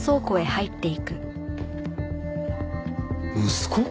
息子？